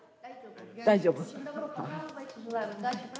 大丈夫？